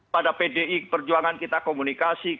pada pdi perjuangan kita komunikasi